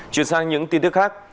chuyển sang những tin tức khác